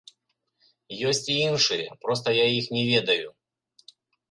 Ёсць і іншыя, проста я іх не ведаю.